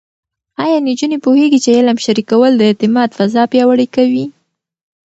ایا نجونې پوهېږي چې علم شریکول د اعتماد فضا پیاوړې کوي؟